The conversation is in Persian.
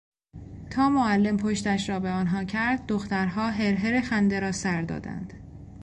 تا معلم پشتش را به آنها کرد دخترها هرهر خنده را سر دادند.